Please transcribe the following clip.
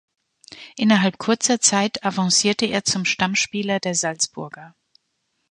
Innerhalb kurzer Zeit avancierte er zum Stammspieler der Salzburger.